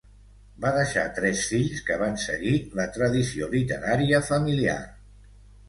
Va deixar tres fills que van seguir la tradició literària familiar.